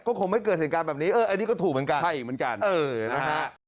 ก็คงไม่เกิดเหตุการณ์แบบนี้เอออันนี้ก็ถูกเหมือนกันใช่อีกเหมือนกันเออนะฮะ